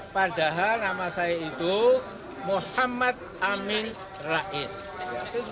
padahal nama saya itu muhammad amin rais